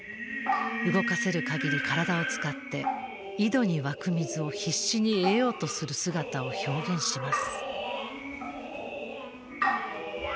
動かせる限り体を使って井戸に湧く水を必死に得ようとする姿を表現します。